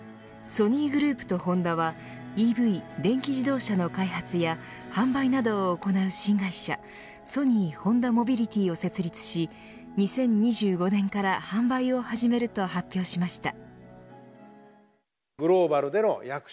ソニーグループとホンダはＥＶ、電気自動車の開発や販売などを行う新会社ソニー・ホンダモビリティを設立し２０２５年から販売を始めると発表しました。